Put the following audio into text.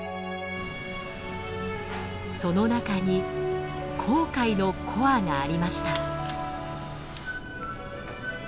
その中に紅海のコアがありました。